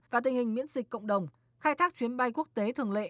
và tình hình miễn dịch cộng đồng khai thác chuyến bay quốc tế thường lệ